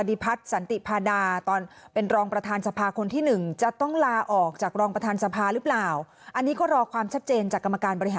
ต้องต้องเป็นผู้หน้าพักภูมิ